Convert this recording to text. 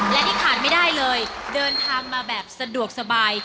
เดินทางมาแบบสะดวกสบาย